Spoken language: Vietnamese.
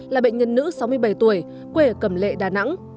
là bệnh nhân nữ sáu mươi bảy tuổi quê ở cầm lệ đà nẵng